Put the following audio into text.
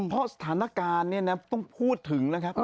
เพราะสถานการณ์ต้องพูดถึงนะครับ